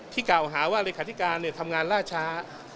ที่กล่าวหาว่าเลขาธิการเนี่ยทำงานล่าช้า